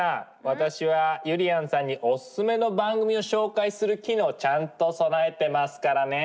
私はゆりやんさんにおすすめの番組を紹介する機能をちゃんと備えてますからね。